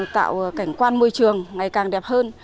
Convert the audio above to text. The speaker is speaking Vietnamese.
tạo cảnh quan môi trường ngày càng đẹp hơn